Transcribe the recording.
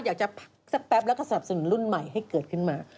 อยากจะพักสักแป๊บแล้วก็สนับสนุนรุ่นใหม่ให้เกิดขึ้นมา